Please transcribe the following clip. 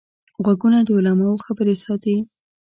غوږونه د علماوو خبرې ساتي